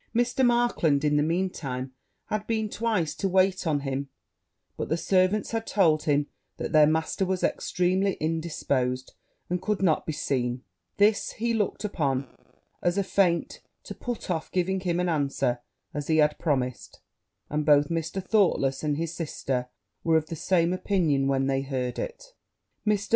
Mr. Markland, in the mean time, had been twice to wait upon him; but the servants told him that their master was extremely indisposed, and could not be seen: this he looked upon as a feint to put off giving him an answer as he had promised; and both Mr. Thoughtless and his sister were of the same opinion when they heard it. Mr.